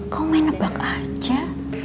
kau main nebak aja